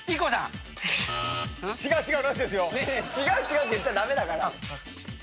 「違う」って言っちゃ駄目だから。